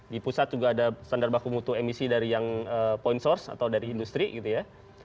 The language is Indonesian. di pusat juga ada standar baku mutu emisi dari yang point source atau dari industri gitu ya